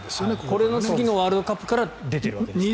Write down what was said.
この時のワールドカップから出ているわけですから。